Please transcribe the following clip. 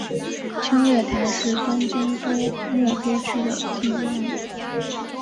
青叶台是东京都目黑区的地名。